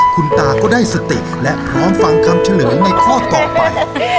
คุณตาก็ได้สติและพร้อมฟังคำเฉลยในข้อต่อไป